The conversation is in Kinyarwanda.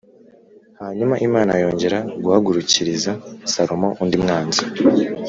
Hanyuma Imana yongera guhagurukiriza Salomo undi mwanzi